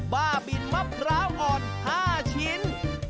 บ้าบินมะพร้าวอ่อน๕ชิ้น